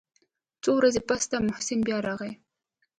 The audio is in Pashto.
څو ورځې پس ته محسن بيا راغى.